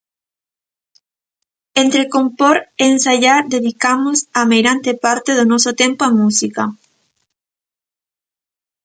Entre compor e ensaiar dedicamos a meirande parte do noso tempo á música.